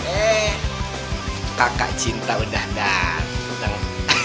eh kakak cinta udah datang